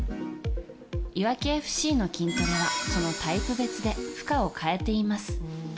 いわきＦＣの筋トレはそのタイプ別で負荷を変えています。